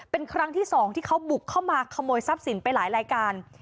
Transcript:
เป็นครั้งที่สองที่เขาบุกเข้ามาขโมยทรัพย์สินไปหลายรายการ